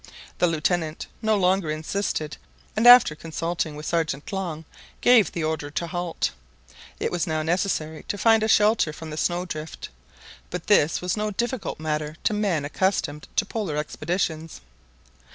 The Lieutenant no longer insisted, and after consulting with Sergeant Long, gave the order to halt. It was now necessary to find a shelter from the snow drift; but this was no difficult matter to men accustomed to Polar expeditions.